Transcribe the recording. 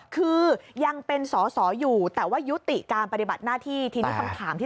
คือยังเป็นสอสออยู่แต่ว่ายุติการปฏิบัติหน้าที่